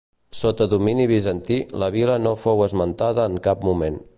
Sota domini bizantí la vila no fou esmentada en cap moment.